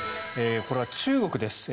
これは中国です。